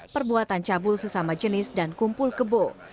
perbuatan cabul sesama jenis dan kumpul kebo